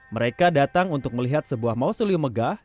mereka datang untuk melihat sebuah mausulium megah